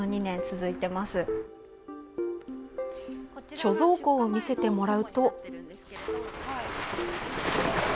貯蔵庫を見せてもらうと。